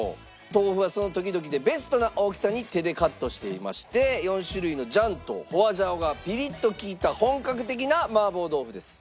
豆腐はその時々でベストな大きさに手でカットしていまして４種類の醤と花椒がピリッと利いた本格的な麻婆豆腐です。